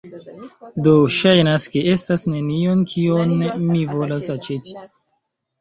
Do, ŝajnas, ke estas nenio kion mi volas aĉeti